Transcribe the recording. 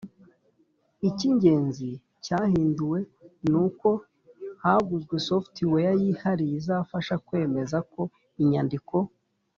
Icy ingenzi cyahinduwe ni uko haguzwe software yihariye izafasha kwemeza ko inyandiko